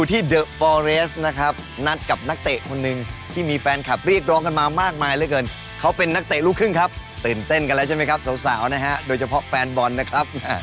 เท่าสาวนะครับโดยเฉพาะแฟนบอลนะครับ